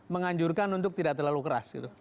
menganjurkan untuk tidak terlalu keras gitu